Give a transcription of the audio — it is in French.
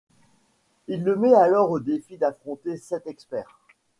Il le met alors au défi d'affronter sept experts.